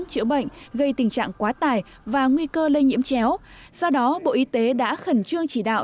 chữa bệnh gây tình trạng quá tải và nguy cơ lây nhiễm chéo do đó bộ y tế đã khẩn trương chỉ đạo